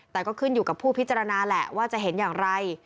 แต่ก็ขึ้นอยู่กับผู้พิจารณาแหละว่าจะเห็นอย่างไร